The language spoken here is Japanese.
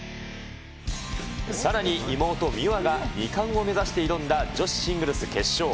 さらに、妹、美和が２冠を目指して挑んだ女子シングルス決勝。